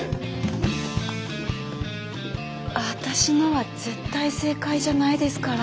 私のは絶対正解じゃないですから。